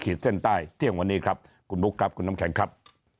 หรือขีดเส้นใต้เที่ยงวันนี้ครับกลุ่มกับคุณน้ำแข็งครับ